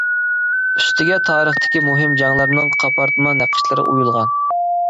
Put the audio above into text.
ئۈستىگە تارىختىكى مۇھىم جەڭلەرنىڭ قاپارتما نەقىشلىرى ئويۇلغان.